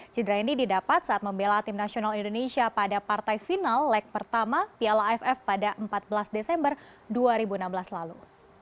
cedera ini didapat saat membela tim nasional indonesia pada partai final leg pertama piala aff pada empat belas desember dua ribu enam belas lalu